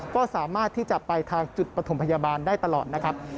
ก็สามารถที่จะไปทางจุดปฐมพยาบาลได้ตลอดนะครับ